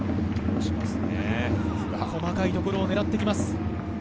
細かいところを狙ってきます。